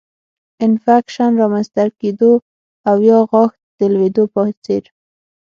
انفکشن رامنځته کېدو او یا غاښ د لوېدو په څېر